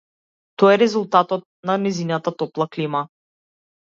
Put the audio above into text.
Тоа е резултат на нејзината топла клима.